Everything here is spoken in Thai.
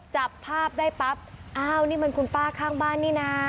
จับภาพได้ปั๊บอ้าวนี่มันคุณป้าข้างบ้านนี่นะ